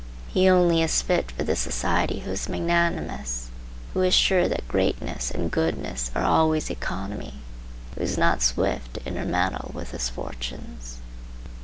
He only is fit for this society who is magnanimous; who is sure that greatness and goodness are always economy; who is not swift to intermeddle with his fortunes.